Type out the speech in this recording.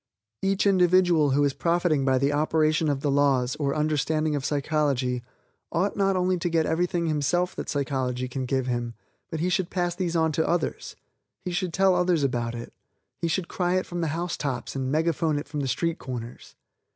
Each individual who is profiting by the operation of the laws, or understanding of psychology, ought not only to get everything himself that psychology can give him, but he should pass these on to others; he should tell others about it; he should cry it from the housetops and megaphone it from the street corners.